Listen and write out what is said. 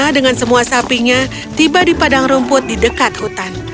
dengan semua sapinya tiba di padang rumput di dekat hutan